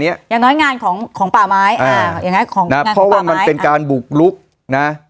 อย่างน้อยงานของป่าม้ายนะเพราะว่ามันเป็นการบุกลุกนะ